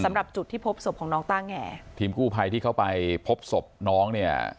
สำหรับจุดที่พบศพของน้องต้าแงทีมกู้ภัยที่เข้าไปพบศพน้องเนี่ย